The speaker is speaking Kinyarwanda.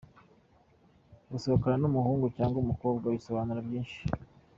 Gusohokana n’umuhungu cyangwa umukobwa bisobanura byinshi.